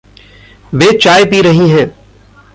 वे चाय पी रहीं हैं।